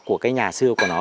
của cái nhà xưa của nó